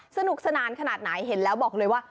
สนุกสนานขนาดไหนเห็นแล้วบอกเลยว่า